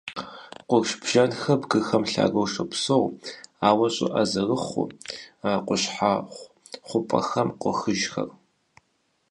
Къурш бжэнхэр бгыхэм лъагэу щопсэу, ауэ щӀыӀэ зырыхъуу, къущхьэхъу хъупӀэхэм къохыжхэр.